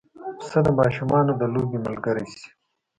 پسه د ماشومانو د لوبې ملګری شي.